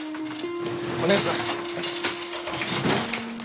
お願いします。